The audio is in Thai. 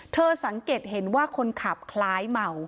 สังเกตเห็นว่าคนขับคล้ายเมา